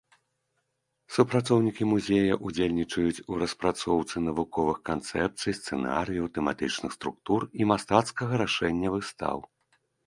Супрацоўнікі музея ўдзельнічаюць у распрацоўцы навуковых канцэпцый, сцэнарыяў, тэматычных структур і мастацкага рашэння выстаў.